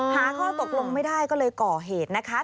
หาข้อตกลงไม่ได้ก็เลยก่อเหตุนะคะ